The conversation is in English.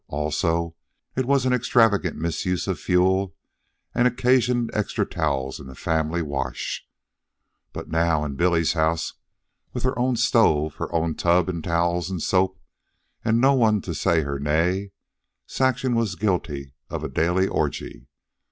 Also, it was an extravagant misuse of fuel, and occasioned extra towels in the family wash. But now, in Billy's house, with her own stove, her own tub and towels and soap, and no one to say her nay, Saxon was guilty of a daily orgy.